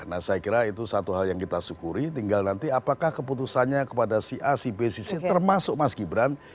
nah saya kira itu satu hal yang kita syukuri tinggal nanti apakah keputusannya kepada si a si b si c termasuk mas gibran